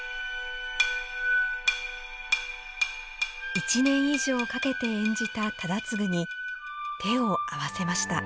１年以上かけて演じた忠次に手を合わせました。